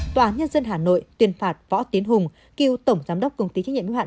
tòa án nhân dân hà nội tuyên phạt võ tiến hùng cựu tổng giám đốc công ty trách nhiệm hữu hạn